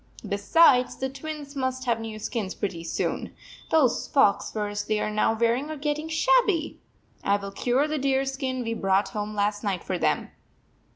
Be sides, the Twins must have new skins pretty soon. Those fox furs they are now wearing are getting shabby. I. will cure the deer skin we brought home last night for them."